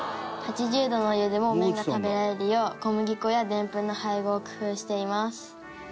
「８０度のお湯でも麺が食べられるよう小麦粉やでんぷんの配合を工夫しています」